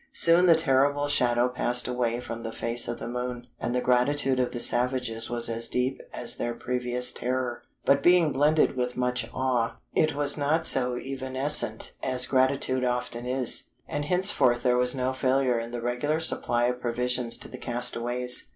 Soon the terrible shadow passed away from the face of the moon, and the gratitude of the savages was as deep as their previous terror. But being blended with much awe, it was not so evanescent as gratitude often is; and henceforth there was no failure in the regular supply of provisions to the castaways."